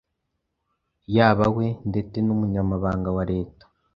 Yaba we ndete numunyamabanga wa Leta